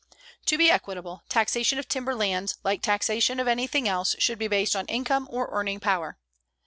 To be equitable, taxation of timber lands like taxation of anything else should be based on income or earning power.